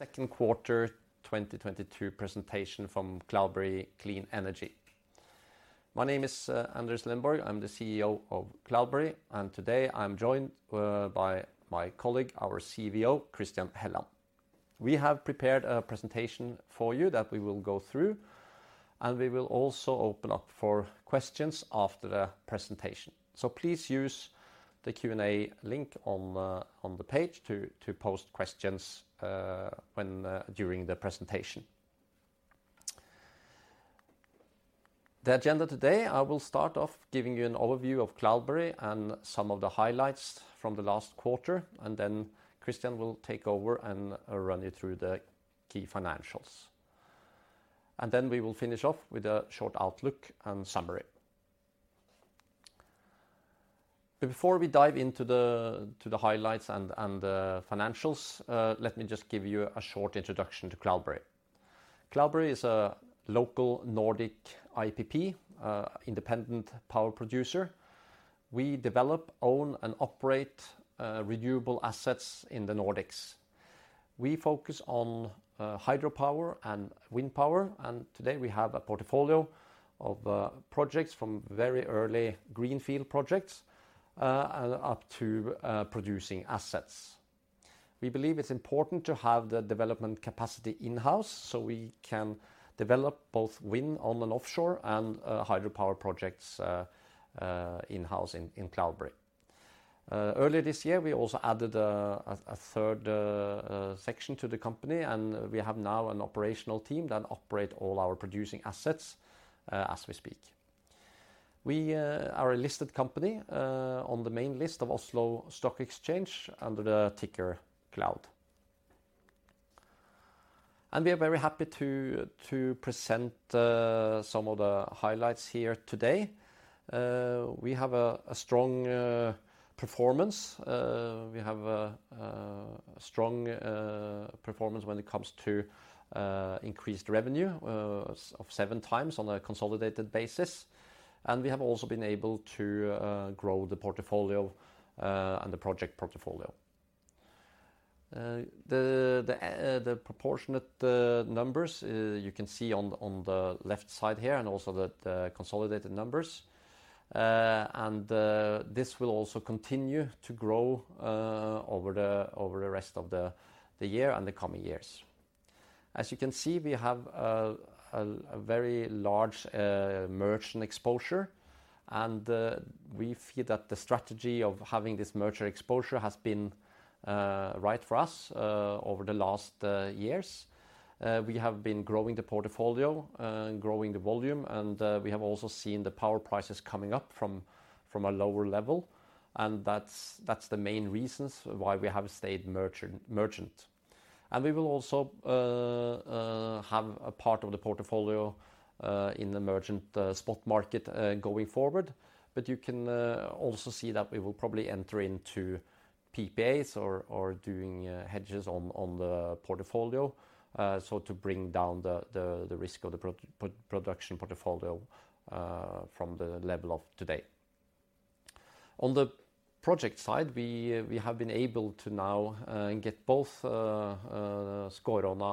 Second quarter 2022 presentation from Cloudberry Clean Energy. My name is Anders Lenborg. I'm the CEO of Cloudberry, and today I'm joined by my colleague, our CVO, Christian A. Helland. We have prepared a presentation for you that we will go through, and we will also open up for questions after the presentation. Please use the Q&A link on the page to post questions during the presentation. The agenda today, I will start off giving you an overview of Cloudberry and some of the highlights from the last quarter, and then Christian will take over and run you through the key financials. We will finish off with a short outlook and summary. Before we dive into the highlights and the financials, let me just give you a short introduction to Cloudberry. Cloudberry is a local Nordic IPP, independent power producer. We develop, own, and operate, renewable assets in the Nordics. We focus on, hydropower and wind power, and today we have a portfolio of, projects from very early greenfield projects, and up to, producing assets. We believe it's important to have the development capacity in-house so we can develop both wind on and offshore and, hydropower projects, in-house in Cloudberry. Earlier this year, we also added a third section to the company and we have now an operational team that operate all our producing assets, as we speak. We are a listed company, on the main list of Oslo Stock Exchange under the ticker Cloud. We're very happy to present, some of the highlights here today. We have a strong performance when it comes to increased revenue of seven times on a consolidated basis. We have also been able to grow the portfolio and the project portfolio. The proportionate numbers you can see on the left side here and also the consolidated numbers. This will also continue to grow over the rest of the year and the coming years. As you can see, we have a very large merchant exposure, and we feel that the strategy of having this merchant exposure has been right for us over the last years. We have been growing the portfolio, growing the volume, and we have also seen the power prices coming up from a lower level, and that's the main reasons why we have stayed merchant. We will also have a part of the portfolio in the merchant spot market going forward. You can also see that we will probably enter into PPAs or doing hedges on the portfolio to bring down the risk of the production portfolio from the level of today. On the project side, we have been able to now get both Skåråna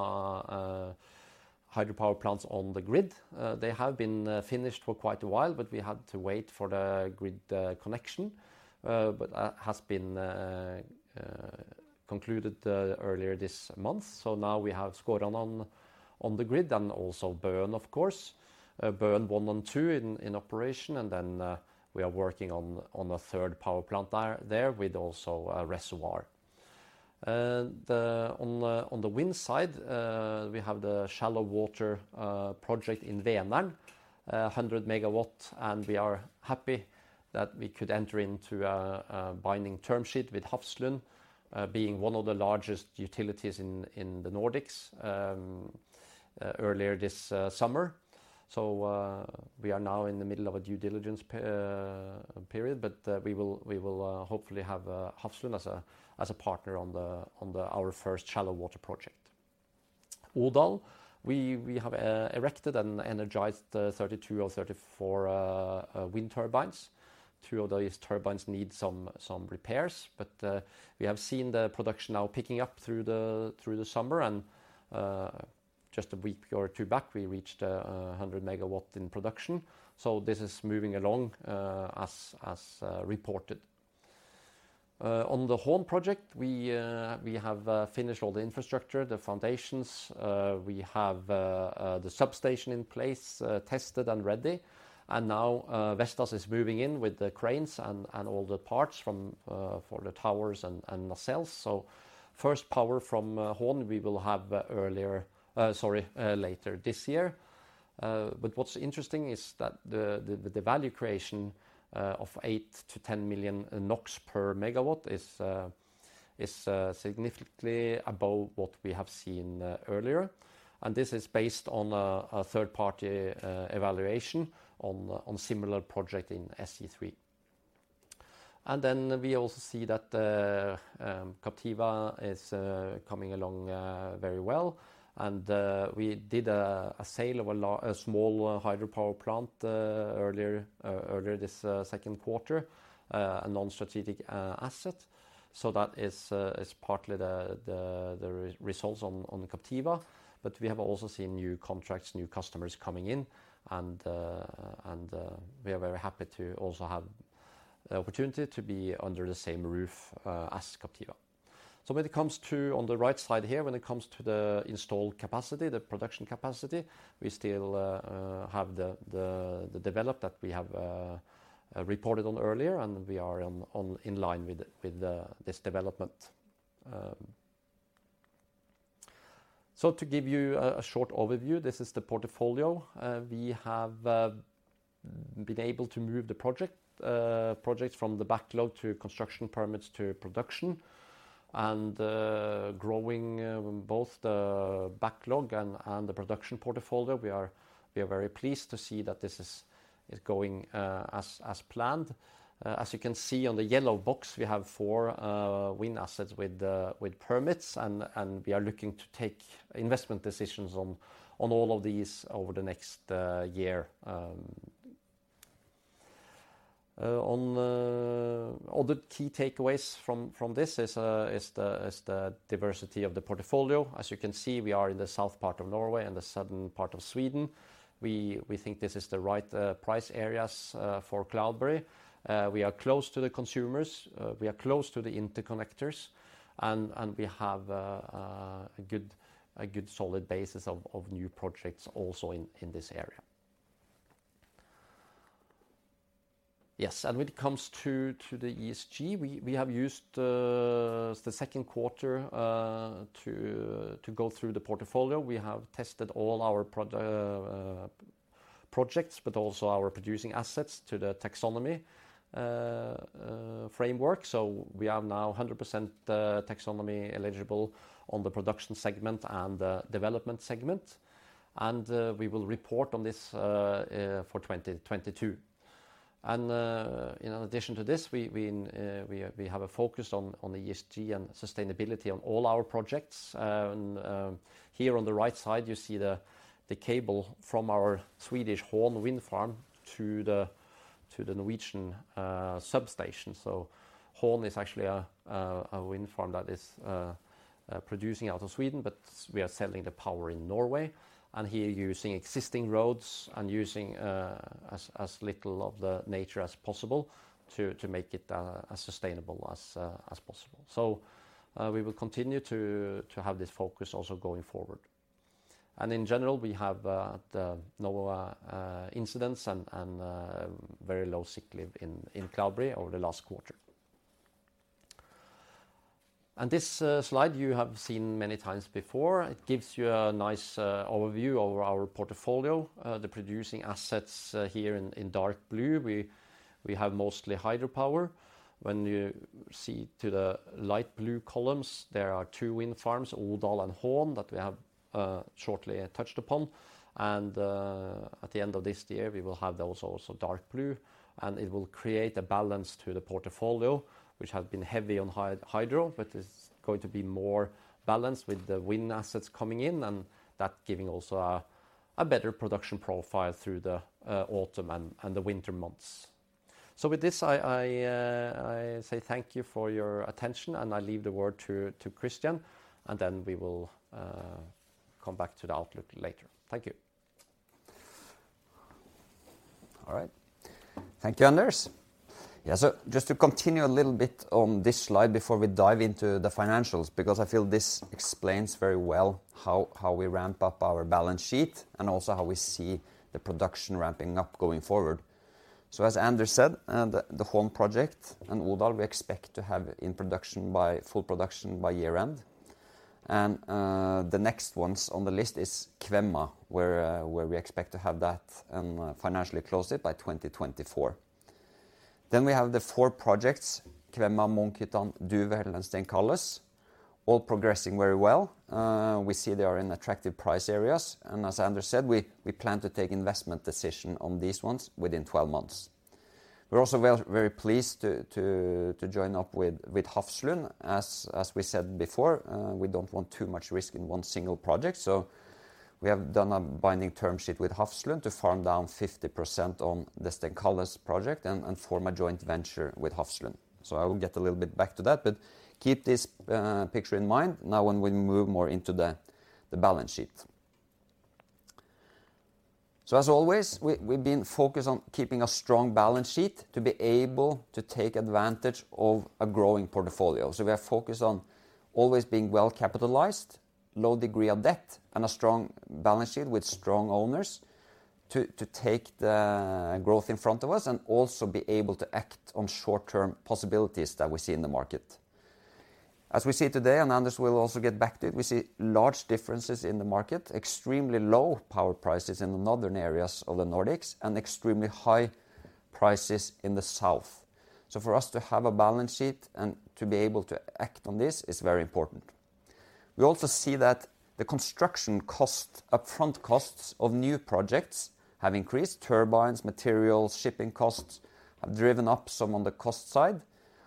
hydropower plants on the grid. They have been finished for quite a while, but we had to wait for the grid connection. has been concluded earlier this month. Now we have Skåråna on the grid and also Bøen of course. Bøen one and two in operation and then we are working on a third power plant there with also a reservoir. On the wind side, we have the shallow water project in Vänern, 100 MW, and we are happy that we could enter into a binding term sheet with Hafslund, being one of the largest utilities in the Nordics, earlier this summer. We are now in the middle of a due diligence period, but we will hopefully have Hafslund as a partner on our first shallow water project. Odal, we have erected and energized 32 or 34 wind turbines. Two of these turbines need some repairs, but we have seen the production now picking up through the summer and just a week or two back, we reached 100 MW in production. This is moving along as reported. On the Hån project, we have finished all the infrastructure, the foundations. We have the substation in place, tested and ready. Now Vestas is moving in with the cranes and all the parts for the towers and nacelles. First power from Hån we will have earlier, sorry, later this year. What's interesting is that the value creation of 8 million-10 million NOK per megawatt is significantly above what we have seen earlier. This is based on a third-party evaluation of a similar project in SE3. Then we also see that Captiva is coming along very well. We did a sale of a small hydropower plant earlier this second quarter, a non-strategic asset. That is partly the results on the Captiva. We have also seen new contracts, new customers coming in, and we are very happy to also have the opportunity to be under the same roof as Captiva. When it comes to. On the right side here, when it comes to the installed capacity, the production capacity, we still have the development that we have reported on earlier, and we are in line with this development. So to give you a short overview, this is the portfolio. We have been able to move the projects from the backlog to construction permits to production. Growing both the backlog and the production portfolio, we are very pleased to see that this is going as planned. As you can see on the yellow box, we have four wind assets with permits and we are looking to take investment decisions on all of these over the next year. Other key takeaways is the diversity of the portfolio. As you can see, we are in the south part of Norway and the southern part of Sweden. We think this is the right price areas for Cloudberry. We are close to the consumers, we are close to the interconnectors, and we have a good solid basis of new projects also in this area. When it comes to the ESG, we have used the second quarter to go through the portfolio. We have tested all our projects, but also our producing assets to the taxonomy framework. We are now 100% taxonomy eligible on the production segment and the development segment. We will report on this for 2022. In addition to this, we have a focus on the ESG and sustainability on all our projects. Here on the right side, you see the cable from our Swedish Hån wind farm to the Norwegian substation. Hån is actually a wind farm that is producing out of Sweden, but we are selling the power in Norway. Here using existing roads and using as little of the nature as possible to make it as sustainable as possible. We will continue to have this focus also going forward. In general, we have no incidents and very low sick leave in Cloudberry over the last quarter. This slide you have seen many times before. It gives you a nice overview of our portfolio. The producing assets here in dark blue, we have mostly hydropower. When you see the light blue columns, there are two wind farms, Odal and Hån, that we have shortly touched upon. At the end of this year, we will have those also dark blue, and it will create a balance to the portfolio, which has been heavy on hydro, but it's going to be more balanced with the wind assets coming in and that giving also a better production profile through the autumn and the winter months. With this, I say thank you for your attention, and I leave the word to Christian, and then we will come back to the outlook later. Thank you. All right. Thank you, Anders. Yeah, just to continue a little bit on this slide before we dive into the financials, because I feel this explains very well how we ramp up our balance sheet and also how we see the production ramping up going forward. As Anders said, the Hån project and Odal, we expect to have in production by full production by year-end. The next ones on the list is Øvre Kvemma, where we expect to have that and financially close it by 2024. We have the four projects, Øvre Kvemma, Munkhyttan, Duvhällen, and Stenkalles Grund, all progressing very well. We see they are in attractive price areas. As Anders said, we plan to take investment decision on these ones within 12 months. We're also very pleased to join up with Hafslund. We said before we don't want too much risk in one single project. We have done a binding term sheet with Hafslund to farm down 50% on the Stenkalles project and form a joint venture with Hafslund. I will get a little bit back to that. Keep this picture in mind now when we move more into the balance sheet. As always, we've been focused on keeping a strong balance sheet to be able to take advantage of a growing portfolio. We are focused on always being well-capitalized, low degree of debt, and a strong balance sheet with strong owners to take the growth in front of us and also be able to act on short-term possibilities that we see in the market. As we see today, and Anders will also get back to it, we see large differences in the market, extremely low power prices in the Northern areas of the Nordics and extremely high prices in the South. For us to have a balance sheet and to be able to act on this is very important. We also see that the construction cost, upfront costs of new projects have increased. Turbines, materials, shipping costs have driven up some on the cost side.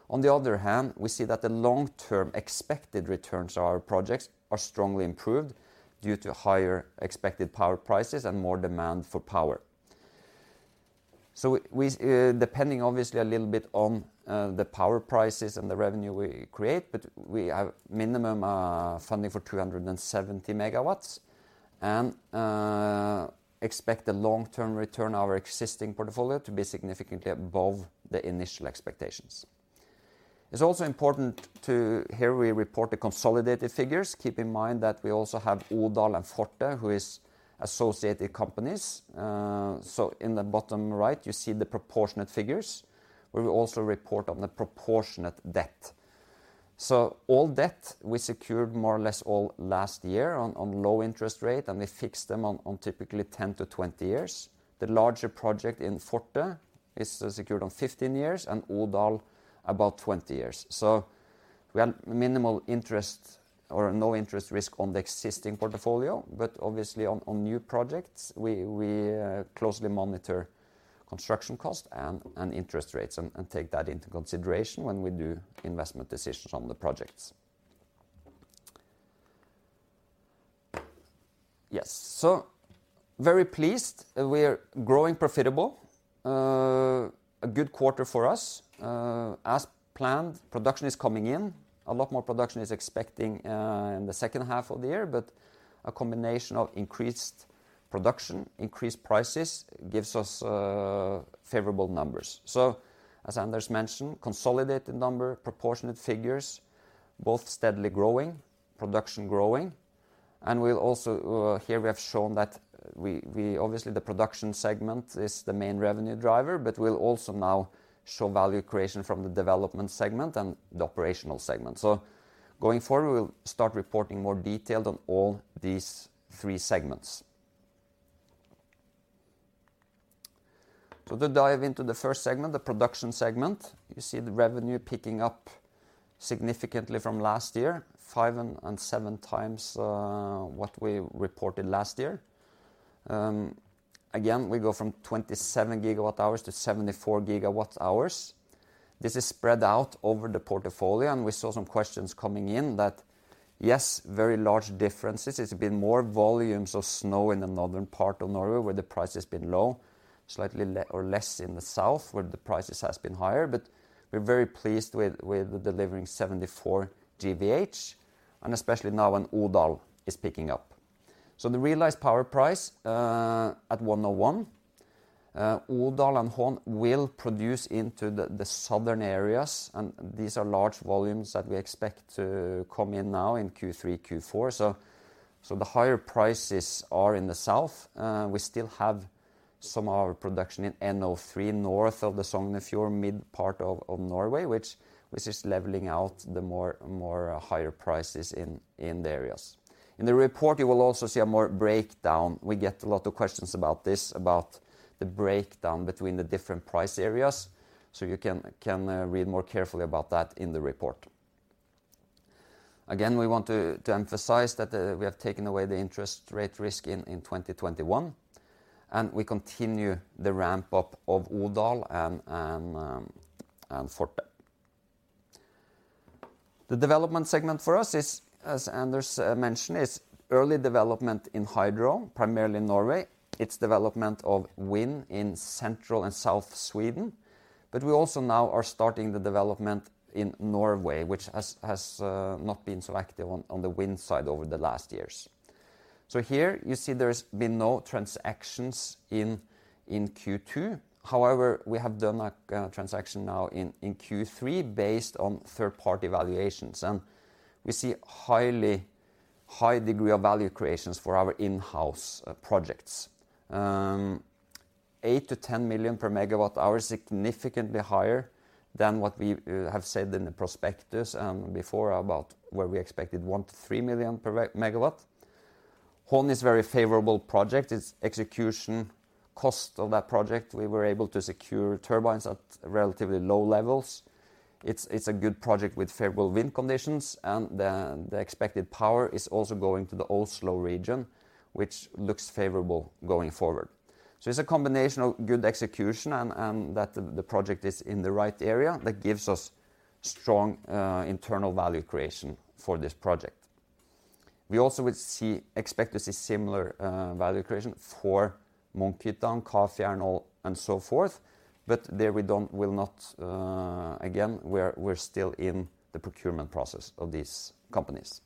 On the other hand, we see that the long-term expected returns on our projects are strongly improved due to higher expected power prices and more demand for power. We, depending obviously a little bit on the power prices and the revenue we create, but we have minimum funding for 270 MW and expect the long-term return on our existing portfolio to be significantly above the initial expectations. It's also important. Here we report the consolidated figures. Keep in mind that we also have Odal and Forte who is associated companies. In the bottom right, you see the proportionate figures. We will also report on the proportionate debt. All debt we secured more or less all last year on low interest rate, and we fixed them on typically 10-20 years. The larger project in Forte is secured on 15 years and Odal about 20 years. We have minimal interest or no interest risk on the existing portfolio. Obviously on new projects, we closely monitor construction costs and interest rates and take that into consideration when we do investment decisions on the projects. Yes. Very pleased. We're growing profitable. A good quarter for us. As planned, production is coming in. A lot more production is expected in the second half of the year. A combination of increased production, increased prices gives us favorable numbers. As Anders mentioned, consolidated number, proportionate figures, both steadily growing, production growing. We'll also obviously, the production segment is the main revenue driver, but we'll also now show value creation from the development segment and the operational segment. Going forward, we'll start reporting more detailed on all these three segments. To dive into the first segment, the production segment, you see the revenue picking up significantly from last year, five and seven times what we reported last year. Again, we go from 27 GWh to 74 GWh. This is spread out over the portfolio, and we saw some questions coming in that, yes, very large differences. It's been more volumes of snow in the northern part of Norway where the price has been low, slightly less in the south where the prices has been higher. We're very pleased with delivering 74 GWh, and especially now when Odal is picking up. The realized power price at 101. Odal and Hån will produce into the southern areas, and these are large volumes that we expect to come in now in Q3, Q4. The higher prices are in the south. We still have some of our production in NO3, north of the Sognefjord, mid part of Norway, which is leveling out the higher prices in the areas. In the report, you will also see a more breakdown. We get a lot of questions about this, about the breakdown between the different price areas. You can read more carefully about that in the report. We want to emphasize that we have taken away the interest rate risk in 2021, and we continue the ramp-up of Odal and Forte. The development segment for us is, as Anders mentioned, early development in hydro, primarily in Norway. It's development of wind in central and south Sweden. We also now are starting the development in Norway, which has not been so active on the wind side over the last years. Here you see there's been no transactions in Q2. However, we have done a transaction now in Q3 based on third-party valuations. We see high degree of value creations for our in-house projects. 8 million-10 million per megawatt hour, significantly higher than what we have said in the prospectus before about where we expected 1 million-3 million per megawatt. Hån is very favorable project. Its execution cost of that project, we were able to secure turbines at relatively low levels. It's a good project with favorable wind conditions and the expected power is also going to the Oslo region, which looks favorable going forward. It's a combination of good execution and that the project is in the right area that gives us strong internal value creation for this project. We expect to see similar value creation for Munkhyttan and Kafjärden and so forth. Again, we're still in the procurement process of these companies.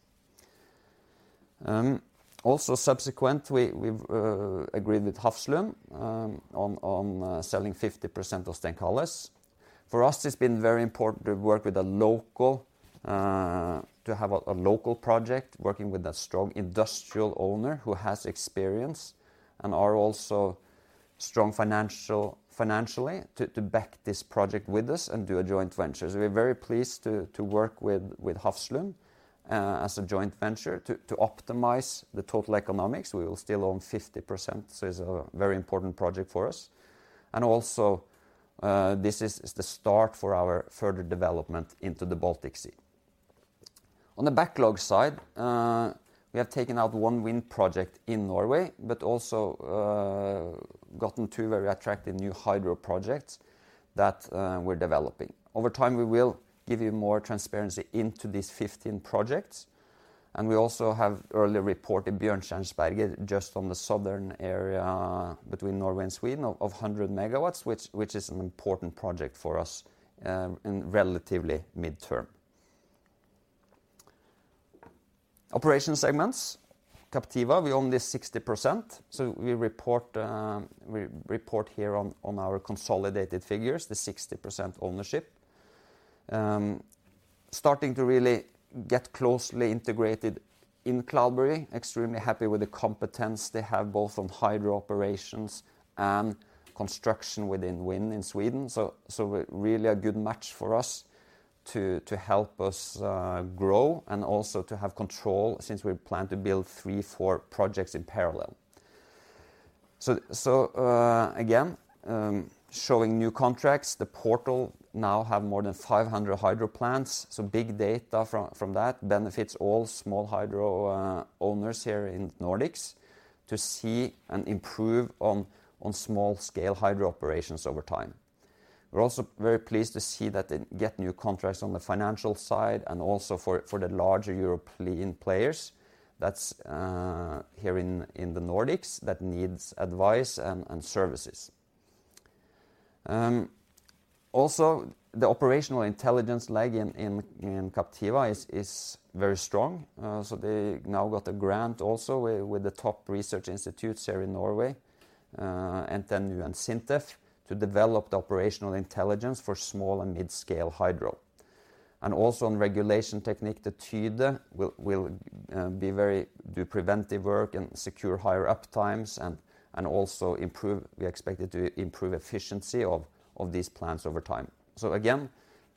Also subsequently, we've agreed with Hafslund on selling 50% of Stenkalles Grund. For us, it's been very important to work with a local to have a local project working with a strong industrial owner who has experience and are also strong financially to back this project with us and do a joint venture. We're very pleased to work with Hafslund as a joint venture to optimize the total economics. We will still own 50%, so it's a very important project for us. Also, this is the start for our further development into the Baltic Sea. On the backlog side, we have taken out one wind project in Norway but also gotten two very attractive new hydro projects that we're developing. Over time, we will give you more transparency into these 15 projects, and we also have earlier reported Björnberget just on the southern area between Norway and Sweden of 100 MW, which is an important project for us in relatively midterm. Operational segments. Captiva, we own this 60%, so we report here on our consolidated figures, the 60% ownership. Starting to really get closely integrated in Cloudberry. Extremely happy with the competence they have both on hydro operations and construction within wind in Sweden. Really a good match for us to help us grow and also to have control since we plan to build three, four projects in parallel. Showing new contracts, the portal now have more than 500 hydro plants, big data from that benefits all small hydro owners here in the Nordics to see and improve on small scale hydro operations over time. We're also very pleased to see that they get new contracts on the financial side and also for the larger European players that's here in the Nordics that needs advice and services. Also the operational intelligence leg in Captiva is very strong. They now got a grant also with the top research institutes here in Norway, and then SINTEF to develop the operational intelligence for small and mid-scale hydro. Also on regulation technique, the Tide will do preventive work and secure higher uptimes and also we expect it to improve efficiency of these plants over time. Again,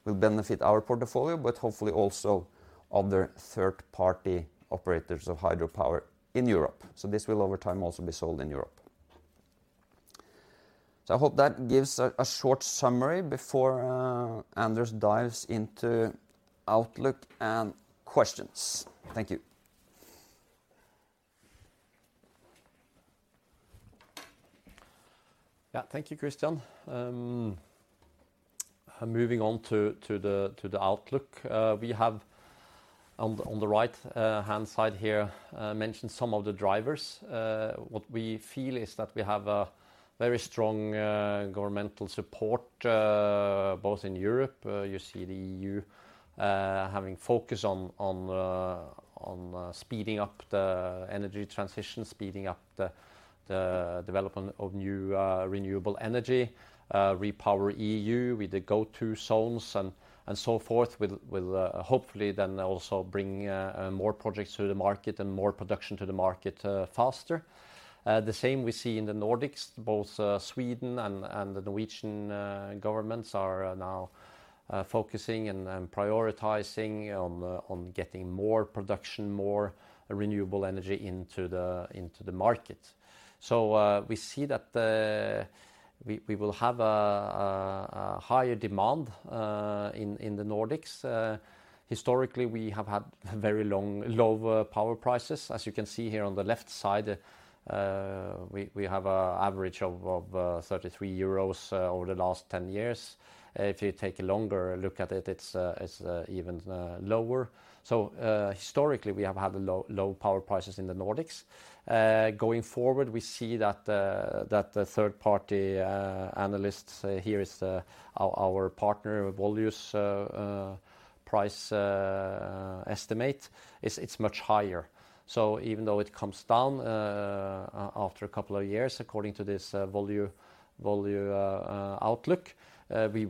will benefit our portfolio, but hopefully also other third-party operators of hydro power in Europe. This will over time also be sold in Europe. I hope that gives a short summary before Anders dives into outlook and questions. Thank you. Yeah. Thank you, Christian. Moving on to the outlook, we have on the right hand side here mentioned some of the drivers. What we feel is that we have a very strong governmental support both in Europe, you see the EU having focus on speeding up the energy transition, speeding up the development of new renewable energy, REPowerEU with the go-to zones and so forth, with hopefully then also bring more projects to the market and more production to the market faster. The same we see in the Nordics. Both Sweden and the Norwegian governments are now focusing and prioritizing on getting more production, more renewable energy into the market. We see that we will have a higher demand in the Nordics. Historically, we have had very low power prices. As you can see here on the left side, we have an average of 33 euros over the last 10 years. If you take a longer look at it's even lower. Historically, we have had low power prices in the Nordics. Going forward, we see that the third-party analysts here is our partner Volue's price estimate is much higher. Even though it comes down after a couple of years, according to this Volue outlook, we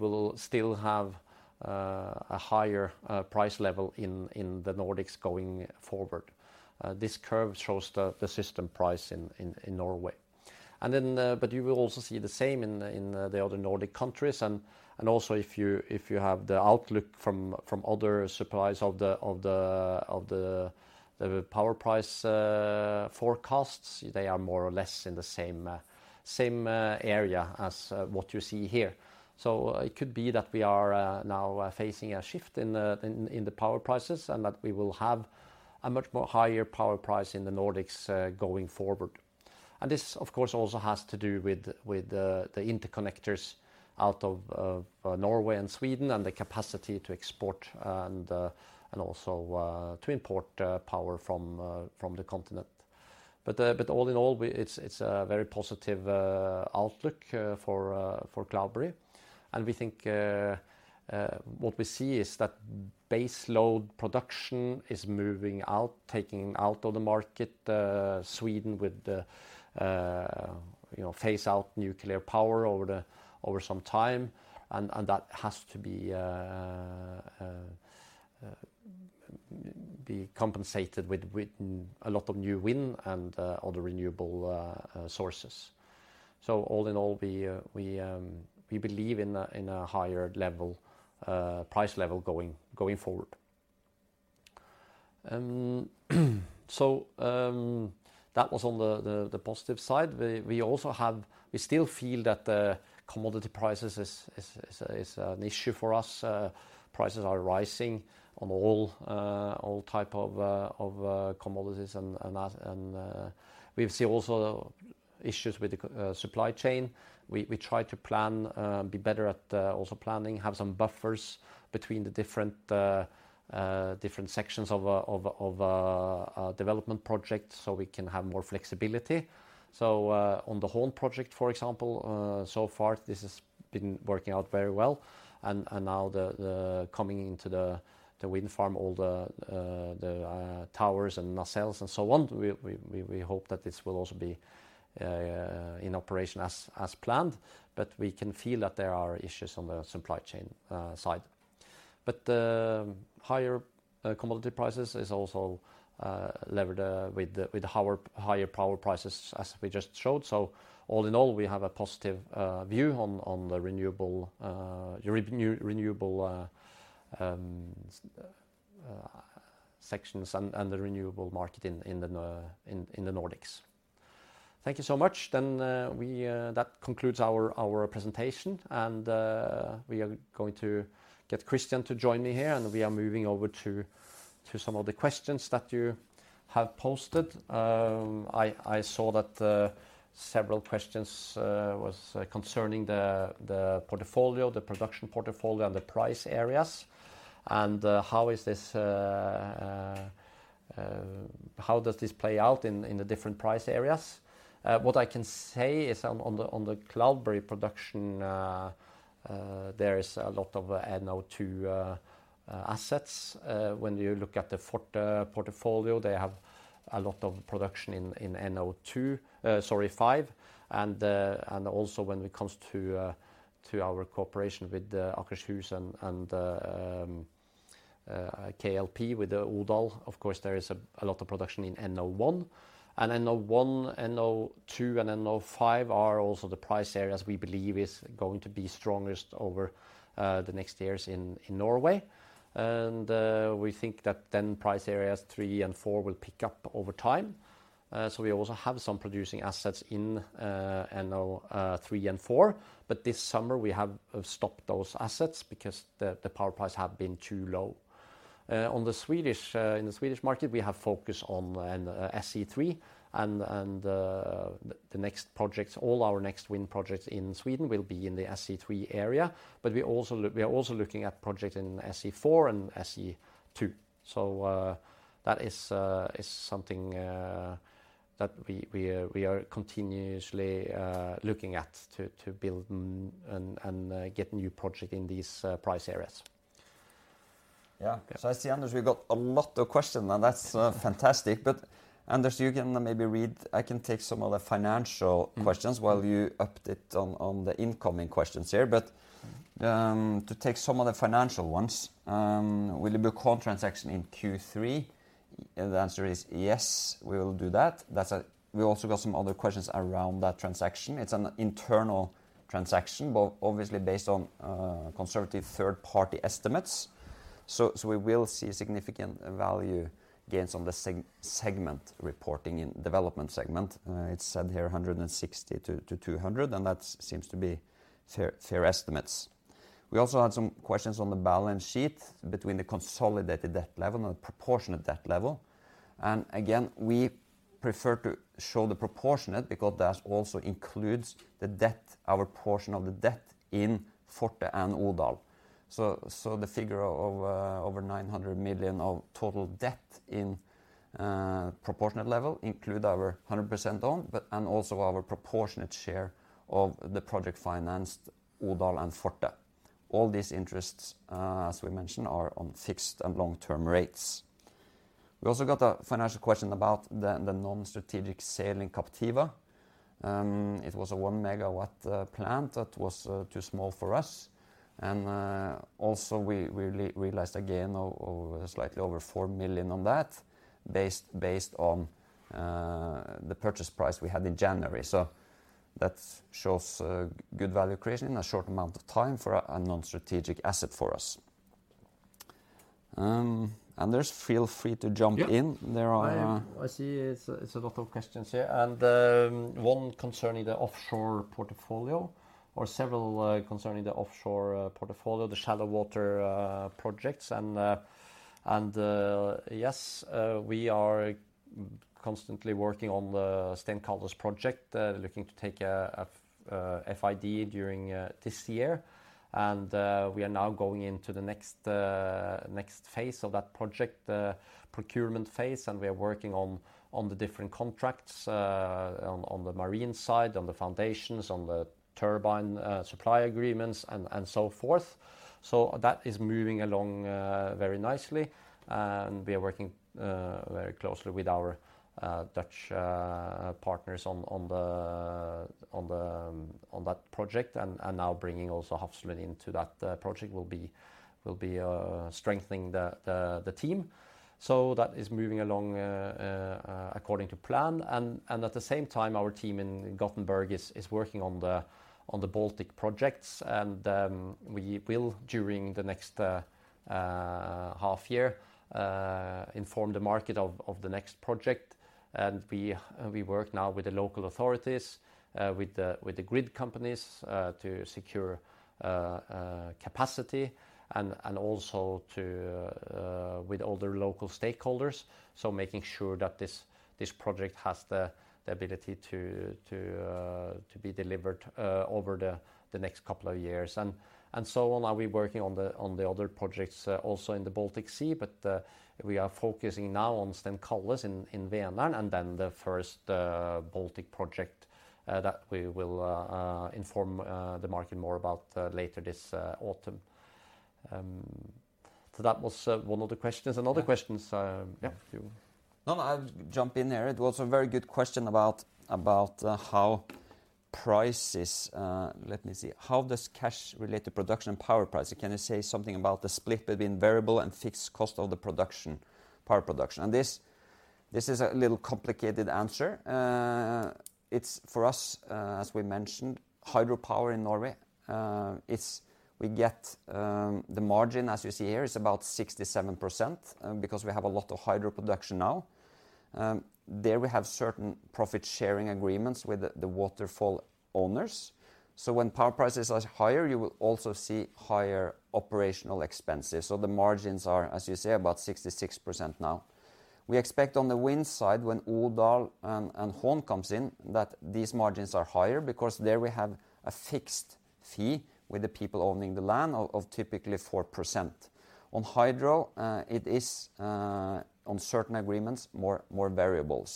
will still have a higher price level in the Nordics going forward. This curve shows the system price in Norway. But you will also see the same in the other Nordic countries and also if you have the outlook from other suppliers of the power price forecasts, they are more or less in the same area as what you see here. It could be that we are now facing a shift in the power prices and that we will have a much more higher power price in the Nordics going forward. This of course also has to do with the interconnectors out of Norway and Sweden and the capacity to export and also to import power from the continent. All in all, it's a very positive outlook for Cloudberry. We think what we see is that base load production is moving out, taking out of the market, Sweden with the, you know, phase out nuclear power over some time. That has to be compensated with a lot of new wind and other renewable sources. All in all, we believe in a higher price level going forward. That was on the positive side. We still feel that the commodity prices is an issue for us. Prices are rising on all type of commodities and as we've see also issues with the supply chain. We try to plan, be better at also planning, have some buffers between the different sections of a development project so we can have more flexibility. On the Hån project, for example, so far this has been working out very well. Now coming into the wind farm all the towers and nacelles and so on, we hope that this will also be in operation as planned. We can feel that there are issues on the supply chain side. The higher commodity prices is also levered with the higher power prices as we just showed. All in all, we have a positive view on the renewable sector and the renewable market in the Nordics. Thank you so much. That concludes our presentation. We are going to get Christian to join me here, and we are moving over to some of the questions that you have posted. I saw that several questions was concerning the portfolio, the production portfolio and the price areas, and how does this play out in the different price areas? What I can say is on the Cloudberry production, there is a lot of NO2 assets. When you look at the Forte portfolio, they have a lot of production in NO5. Also when it comes to our cooperation with Akershus Energi and KLP with the Odal, of course there is a lot of production in NO1. NO1, NO2, and NO5 are also the price areas we believe is going to be strongest over the next years in Norway. We think that then price areas three and four will pick up over time. We also have some producing assets in NO3 and NO4, but this summer we have stopped those assets because the power price have been too low. In the Swedish market, we have focused on SE three, and the next projects, all our next wind projects in Sweden will be in the SE3 area. We are also looking at project in SE4 and SE2. That is something that we are continuously looking at to build and get new project in these price areas. Yeah. Yeah. I see, Anders, we got a lot of questions and that's fantastic. Anders, you can maybe read. I can take some of the financial questions- Mm-hmm while you update on the incoming questions here. To take some of the financial ones, will the Hån transaction in Q3? The answer is yes, we will do that. That's a. We also got some other questions around that transaction. It's an internal transaction, but obviously based on conservative third party estimates. We will see significant value gains on the segment reporting in development segment. It said here 160-200, and that seems to be fair estimates. We also had some questions on the balance sheet between the consolidated debt level and the proportionate debt level. Again, we prefer to show the proportionate because that also includes the debt, our portion of the debt in Forte and Odal. The figure of over 900 million of total debt in proportionate level includes our 100% owned, but also our proportionate share of the project-financed Odal and Forte. All these interests, as we mentioned, are on fixed and long-term rates. We also got a financial question about the non-strategic sale in Captiva. It was a 1 MW plant that was too small for us. We realized a gain of slightly over 4 million on that based on the purchase price we had in January. That shows good value creation in a short amount of time for a non-strategic asset for us. Anders, feel free to jump in. Yeah. There are- I see it's a lot of questions here, and one concerning the offshore portfolio or several concerning the offshore portfolio, the shallow water projects. Yes, we are constantly working on the Stenkalles Grund project. Looking to take a FID during this year. We are now going into the next phase of that project, the procurement phase, and we are working on the different contracts on the marine side, on the foundations, on the turbine supply agreements and so forth. That is moving along very nicely. We are working very closely with our Dutch partners on that project. Now bringing also Hafslund into that project will be strengthening the team. That is moving along according to plan. At the same time, our team in Gothenburg is working on the Baltic projects. We will, during the next half year, inform the market of the next project. We work now with the local authorities, with the grid companies, to secure capacity and also to with all the local stakeholders. Making sure that this project has the ability to be delivered over the next couple of years. We are working on the other projects also in the Baltic Sea, but we are focusing now on Stenkalles in Vänern and then the first Baltic project that we will inform the market more about later this autumn. That was one of the questions. Yeah. Other questions? Yeah if you. No, no, I'll jump in there. It was a very good question about how prices. How does cash relate to production and power pricing? Can you say something about the split between variable and fixed cost of the production, power production? This is a little complicated answer. It's for us, as we mentioned, hydropower in Norway. We get the margin, as you see here, is about 67%, because we have a lot of hydro production now. There we have certain profit sharing agreements with the waterfall owners. When power prices are higher, you will also see higher operational expenses. The margins are, as you say, about 66% now. We expect on the wind side, when Odal and Hån comes in, that these margins are higher because there we have a fixed fee with the people owning the land of typically 4%. On hydro, it is on certain agreements, more variable.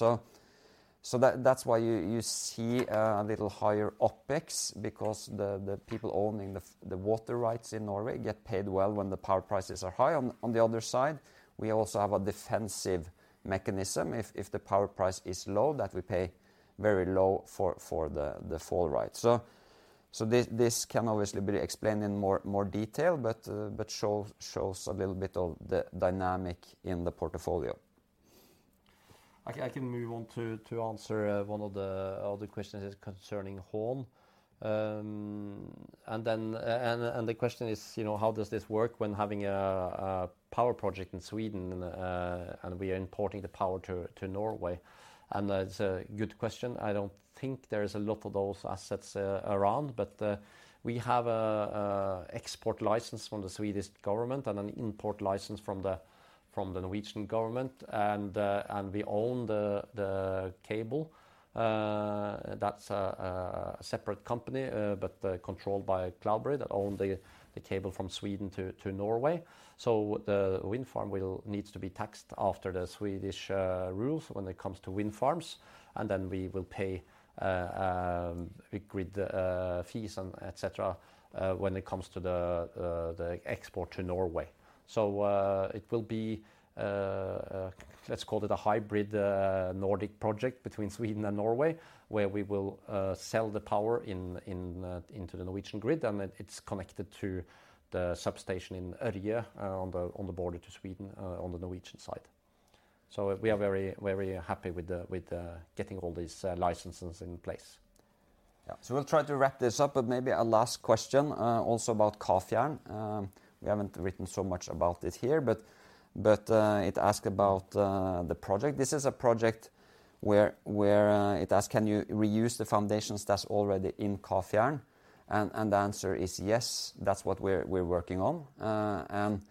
That's why you see a little higher OpEx because the people owning the water rights in Norway get paid well when the power prices are high. On the other side, we also have a defensive mechanism if the power price is low, that we pay very low for the water rights. This can obviously be explained in more detail, but shows a little bit of the dynamic in the portfolio. I can move on to answer one of the other questions concerning Hån. The question is, you know, how does this work when having a power project in Sweden and we are importing the power to Norway? That's a good question. I don't think there is a lot of those assets around, but we have an export license from the Swedish government and an import license from the Norwegian government. We own the cable. That's a separate company, but controlled by Cloudberry that own the cable from Sweden to Norway. The wind farm needs to be taxed according to the Swedish rules when it comes to wind farms. We will pay grid fees and et cetera when it comes to the export to Norway. It will be let's call it a hybrid Nordic project between Sweden and Norway, where we will sell the power into the Norwegian grid, and it's connected to the substation in Ørje on the border to Sweden on the Norwegian side. We are very, very happy with getting all these licenses in place. Yeah. We'll try to wrap this up, but maybe a last question, also about Kafjärden. We haven't written so much about it here, but it asked about the project. This is a project where it asks, "Can you reuse the foundations that's already in Kafjärden?" The answer is yes. That's what we're working on. And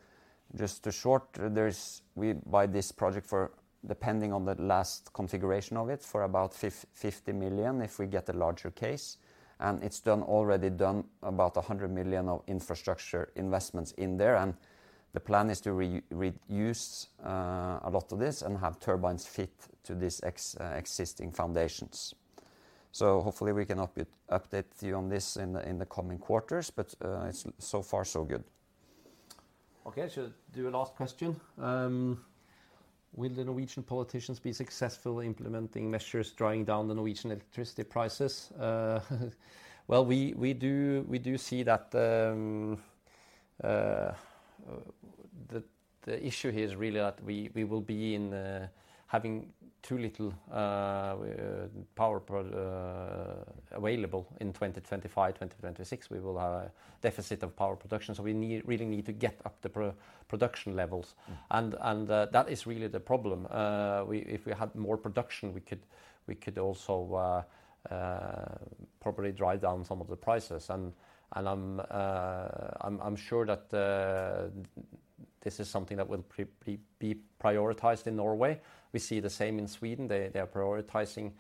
just in short, we bought this project for, depending on the last configuration of it, for about 50 million if we get a larger case. It's already done about 100 million of infrastructure investments in there. The plan is to reuse a lot of this and have turbines fit to these existing foundations. Hopefully we can update you on this in the coming quarters. It's so far so good. Okay. Should do a last question. Will the Norwegian politicians be successful implementing measures drawing down the Norwegian electricity prices? Well, we do see that the issue here is really that we will be having too little power available in 2025, 2026. We will have a deficit of power production. We really need to get up the production levels. Mm. That is really the problem. If we had more production, we could also probably drive down some of the prices. I'm sure that this is something that will be prioritized in Norway. We see the same in Sweden. They are prioritizing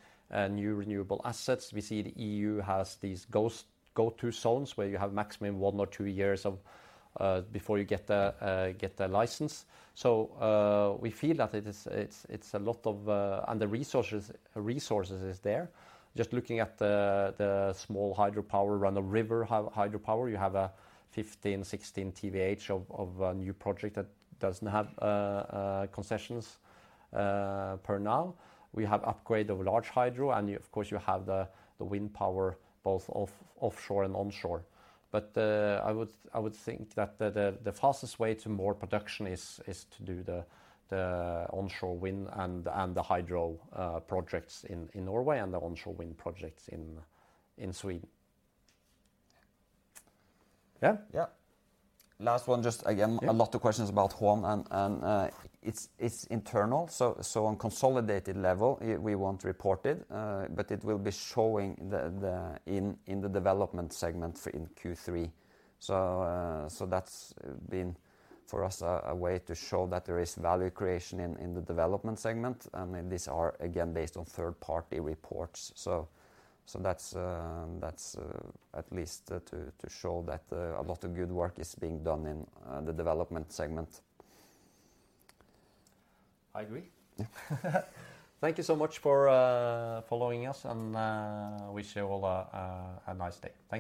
new renewable assets. We see the EU has these go-to zones where you have maximum one or two years before you get the license. We feel that it is a lot of. The resources is there. Just looking at the small hydropower around the river hydropower, you have a 15-16 TWh of a new project that doesn't have concessions per now. We have upgrade of large hydro, and you, of course, you have the wind power both offshore and onshore. I would think that the fastest way to more production is to do the onshore wind and the hydro projects in Norway and the onshore wind projects in Sweden. Yeah. Yeah. Last one, just again. Yeah There are a lot of questions about Hån and it's internal, so on consolidated level we won't report it, but it will be showing in the development segment in Q3. That's been for us a way to show that there is value creation in the development segment. I mean, these are again based on third-party reports. That's at least to show that a lot of good work is being done in the development segment. I agree. Yeah. Thank you so much for following us. Wish you all a nice day.